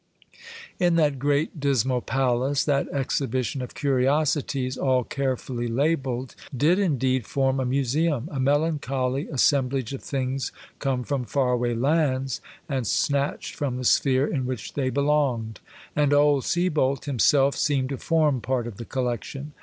In that great, dismal palace, that exhibition of curiosities, all carefully labelled, did indeed form a museum, a melancholy assemblage of things come from far away lands, and snatched from the sphere in which they belonged. And old Sieboldt himself seemed to form part of the collection.